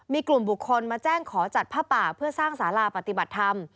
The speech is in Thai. มีกลุ่มบุคคลมาแจ้งขอจัดผ้าป่าเพื่อสร้างสาราปฏิบัติธรรม